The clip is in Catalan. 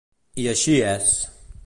I així és.